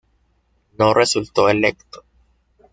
No resultó electo.